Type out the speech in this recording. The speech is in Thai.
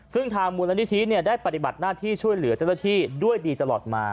ซึ่งทางมูลนิธิได้ปฏิบัติหน้าที่ช่วยเหลือเจ้าหน้าที่ด้วยดีตลอดมา